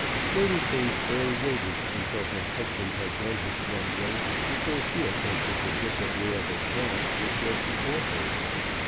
Lady Kingsbury waited until her husband had done his grumbling before she attempted the disagreeable task which was before her.